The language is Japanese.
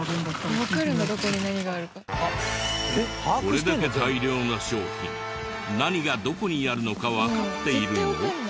これだけ大量の商品何がどこにあるのかわかっているの？